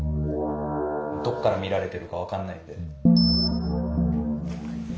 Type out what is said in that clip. どっから見られてるか分かんないんで。